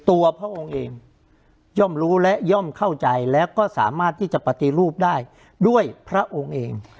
พระองค์เองย่อมรู้และย่อมเข้าใจแล้วก็สามารถที่จะปฏิรูปได้ด้วยพระองค์เอง